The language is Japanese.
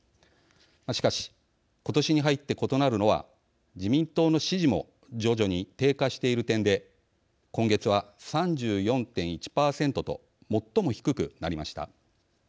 しかし、今年に入って異なるのは自民党の支持も徐々に低下している点で今月は３４．１％と最も低くなりました。